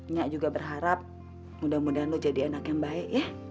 nyak juga berharap mudah mudahan lo jadi anak yang baik ya